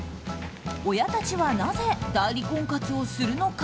親たちはなぜ代理婚活をするのか？